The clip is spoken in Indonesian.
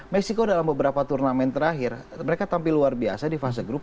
meksiko dalam beberapa turnamen terakhir mereka tampil luar biasa di fase grup